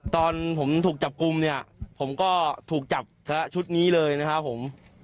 ตอนผมถูกจับกลุ่มเนี่ยผมก็ถูกจับชุดนี้เลยนะครับผม